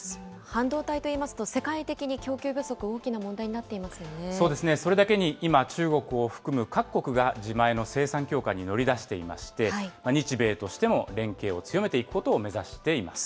半導体といいますと、世界的に供給不足、大きな問題になってそうですね、それだけに今、中国を含む各国が、自前の生産強化に乗り出していまして、日米としても連携を強めていくことを目指しています。